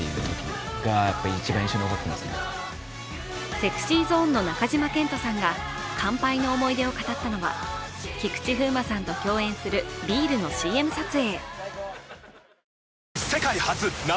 ＳｅｘｙＺｏｎｅの中島健人さんが乾杯の思い出を語ったのは菊池風磨さんと共演するビールのＣＭ撮影。